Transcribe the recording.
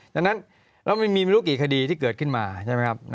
ดังนั้นเราไม่รู้กี่คดีที่เกิดขึ้นมาใช่ไหมครับ